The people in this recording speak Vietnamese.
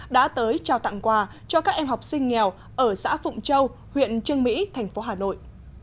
đã tới trao tặng quà cho các em học sinh nghèo ở xã phụng châu huyện trương mỹ thành phố hà nội